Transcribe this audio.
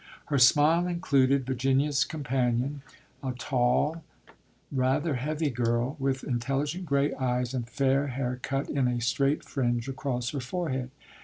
Her smile included Virginia's companion, a tall, rather heavy girl, with intelligent grey eyes and fair hair cut in a straight fringe across her forehead.